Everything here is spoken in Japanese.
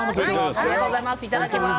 ありがとうございます。